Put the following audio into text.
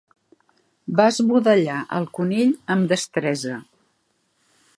Va esbudellar el conill amb destresa.